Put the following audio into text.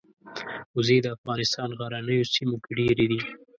وزې د افغانستان غرنیو سیمو کې ډېرې دي